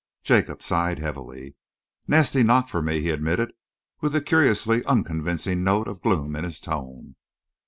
Jacob sighed heavily. "Nasty knock for me," he admitted, with a curiously unconvincing note of gloom in his tone.